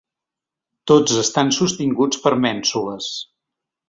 Tots estan sostinguts per mènsules.